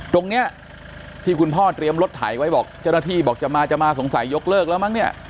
ตรงนี้ที่คุณพ่อเตรียมรถถ่ายไว้บอกเจ้าหน้าที่บอกจะมาจะมาสงสัยยกเลิกแล้วมั้งเนี่ย